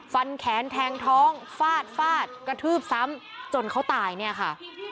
ฟันแขนแทงท้องฟาดฟาดกระทืบซ้ำจนเขาตายเนี่ยค่ะ